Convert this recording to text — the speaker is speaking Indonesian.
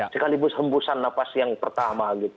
sekaligus hembusan napas yang pertama